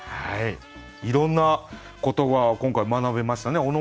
いろんなことが今回学べましたね。